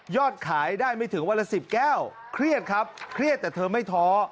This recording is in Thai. ขายได้ไม่ถึงวันละ๑๐แก้วเครียดครับเครียดแต่เธอไม่ท้อ